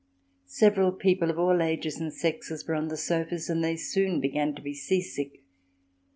Several people of all ages and sexes were on the sofas and they soon began to be sea sick.